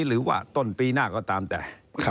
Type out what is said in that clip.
หรือว่าต้นปีหน้าก็ตามแต่